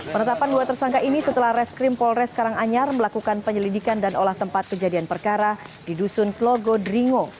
penetapan dua tersangka ini setelah reskrim polres karanganyar melakukan penyelidikan dan olah tempat kejadian perkara di dusun klogodringo